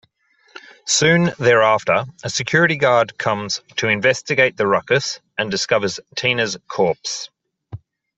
Soon thereafter, a security guard comes to investigate the ruckus and discovers Tina's corpse.